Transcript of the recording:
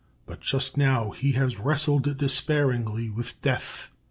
But just now he has wrestled despairingly with Death.